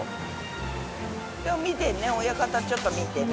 でも見てんね親方ちょっと見てね。